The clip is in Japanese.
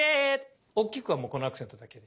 おっきくはもうこのアクセントだけで。